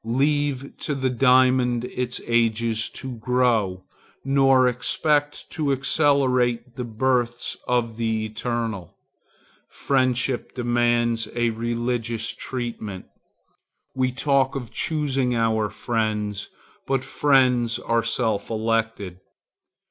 Leave to the diamond its ages to grow, nor expect to accelerate the births of the eternal. Friendship demands a religious treatment. We talk of choosing our friends, but friends are self elected.